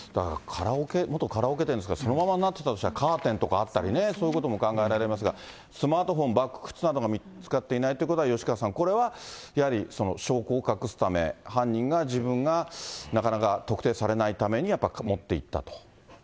元カラオケ店ですから、そのままになってたとしたら、カーテンとかあったりね、そういうことも考えられますが、スマートフォン、バッグ、靴などが見つかっていないということは、吉川さん、これはやはり証拠を隠すため、犯人が、自分がなかなか特定されないために持っていったと。